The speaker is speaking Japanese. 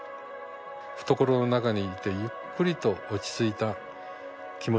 懐の中にいてゆっくりと落ち着いた気持ちでいられる。